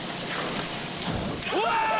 うわ！